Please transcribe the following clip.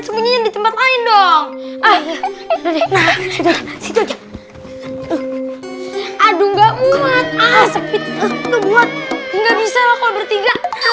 sembunyian di tempat lain dong aja aduh enggak muat asap buat nggak bisa lo bertiga